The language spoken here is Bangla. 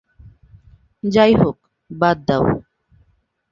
যাইহোক, বাদ দাও।